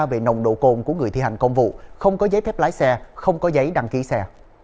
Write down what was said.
về nồng độ cồn của người thi hành công vụ không có giấy phép lái xe không có giấy đăng ký xe